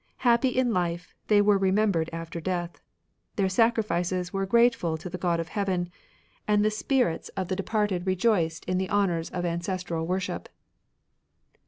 Happy in life, they were remembered after death. Their sacrifices were grateful to the God of Heaven, and the spirits 58 MATERIALISM of the departed rejoiced in the honours of ancestral worship."